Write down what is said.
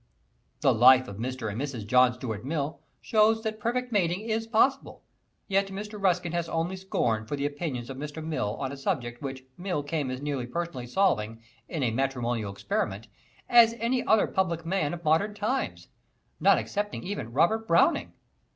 The life of Mr. and Mrs. John Stuart Mill shows that perfect mating is possible; yet Mr. Ruskin has only scorn for the opinions of Mr. Mill on a subject which Mill came as near personally solving in a matrimonial "experiment" as any other public man of modern times, not excepting even Robert Browning.